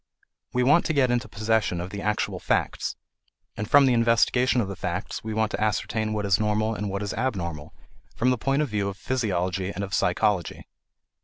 We want to get into possession of the actual facts, and from the investigation of the facts we want to ascertain what is normal and what is abnormal, from the point of view of physiology and of psychology.